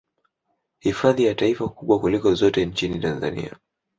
Hifadhi ya taifa kubwa kuliko zote nchini Tanzania